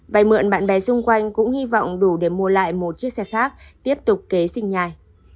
vậy mượn bạn bè xung quanh cũng hy vọng đủ để mua lại một chiếc xe khác tiếp tục kế sinh nhai